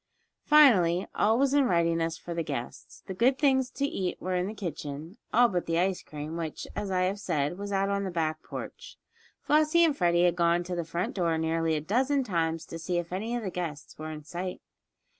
Finally all was in readiness for the guests. The good things to eat were in the kitchen, all but the ice cream, which, as I have said, was out on the back porch. Flossie and Freddie had gone to the front door nearly a dozen times to see if any of the guests were in sight.